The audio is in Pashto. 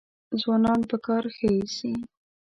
ځوانان په کار ښه ایسي.